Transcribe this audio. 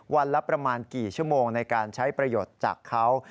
วันละประมาณกี่ชั่วโมงในการใช้ประโยชน์จากเขา